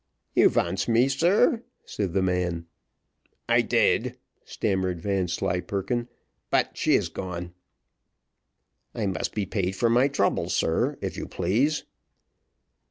"You vants me, sir?" said the man. "I did," stammered Vanslyperken, "but she is gone." "I must be paid for my trouble, sir, if you please."